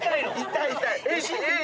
痛い痛い。